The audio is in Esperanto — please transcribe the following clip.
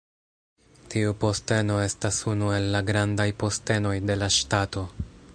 Tiu posteno estas unu el la Grandaj Postenoj de la Ŝtato.